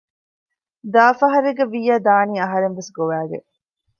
ދާ ފަހަރެއްގަ ވިއްޔާ ދާނީ އަހަރެންވެސް ގޮވައިގެން